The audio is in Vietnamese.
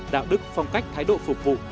đạo đức phong cách thái độ phục vụ